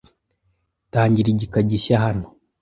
Tangira igika gishya hano.